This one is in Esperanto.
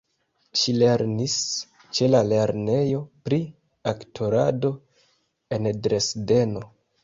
Ŝi lernis ĉe la lernejo pri aktorado en Dresdeno.